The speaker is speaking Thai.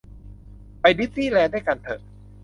ไปดิสนี่แลนด์ด้วยกันเถอะ